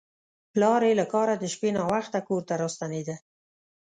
پلار یې له کاره د شپې ناوخته کور ته راستنېده.